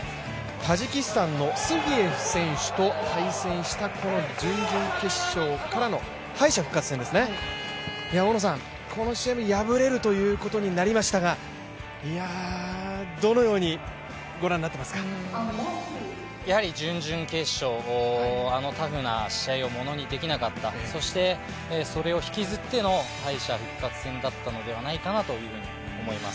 タジキスタンのスフィエフ選手と対戦した準々決勝からの敗者復活戦ですね、大野さん、この試合に敗れるということになりましたが準々決勝、あのタフな試合をものできなかった、そして、それを引きずっての敗者復活戦だったのかなと思います。